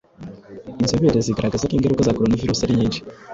Inzobere zigaragaza ko ingaruka za Coronavirus ari nyinshi